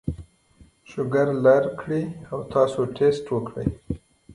شوګر لر کړي او تاسو ټېسټ وکړئ